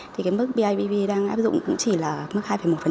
thì cái mức bidv đang áp dụng cũng chỉ là mức hai một